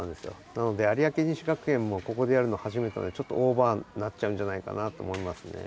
なので有明西学園もここでやるのはじめてなのでちょっとオーバーになっちゃうんじゃないかなと思いますね。